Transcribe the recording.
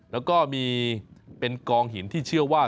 แล้วก็มีเป็นกองหินที่เชื่อว่า